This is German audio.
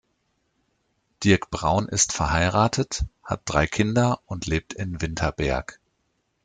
Dirk Braun ist verheiratet, hat drei Kinder und lebt in Winterberg.